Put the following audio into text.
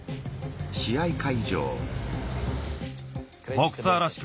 ボクサーらしく。